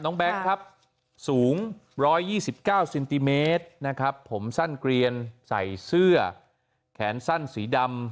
น้องแบ๊กครับสูง๑๒๙ซินติเมตรผมสั้นเกลียนใส่เสื้อแขนสั้นสีดำ